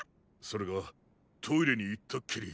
それがトイレにいったっきり。